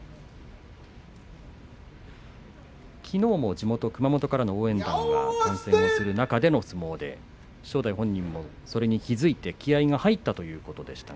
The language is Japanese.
きのうも地元・熊本からの応援団が観戦する中での相撲で正代もそれに気が付いて気合いが入ったということでした。